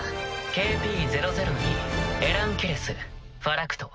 ＫＰ００２エラン・ケレスファラクト。